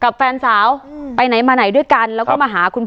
คือพอผู้สื่อข่าวลงพื้นที่แล้วไปถามหลับมาดับเพื่อนบ้านคือคนที่รู้จักกับพอก๊อปเนี่ย